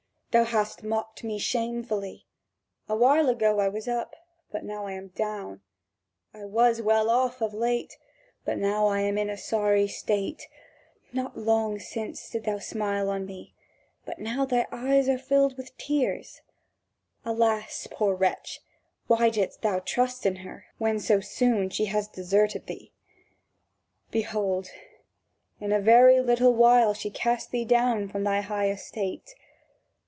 Thou hast mocked me shamefully: a while ago I was up, but now I am down; I was well off of late, but now I am in a sorry state; not long since thou didst smile on me, but now thy eyes are filled with tears. Alas, poor wretch, why didst thou trust in her, when so soon she has deserted thee! Behold, in a very little while she has cast thee down from thy high estate!